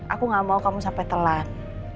aku gak mau kamu sampai telat